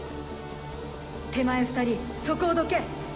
手前２人そこをどけ！